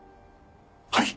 はい。